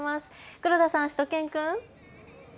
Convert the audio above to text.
黒田さん、しゅと犬くん。